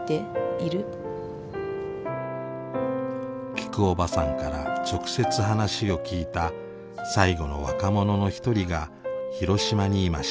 きくおばさんから直接話を聞いた最後の若者の一人が広島にいました。